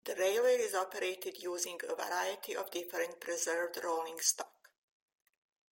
The railway is operated using a variety of different preserved rolling stock.